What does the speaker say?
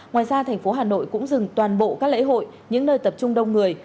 ngoài ra tp hà nội cũng dừng toàn bộ các lễ hội những nơi tập trung đông người